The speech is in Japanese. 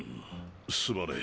すまねぇ。